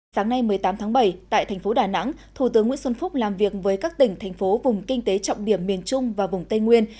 sáng nay một mươi tám tháng bảy tại thành phố đà nẵng thủ tướng nguyễn xuân phúc làm việc với các tỉnh thành phố vùng kinh tế trọng điểm miền trung và vùng tây nguyên